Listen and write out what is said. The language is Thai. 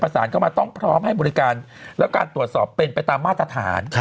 สารเข้ามาต้องพร้อมให้บริการแล้วการตรวจสอบเป็นไปตามมาตรฐาน